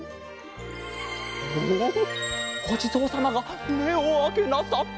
おおおじぞうさまがめをあけなさった！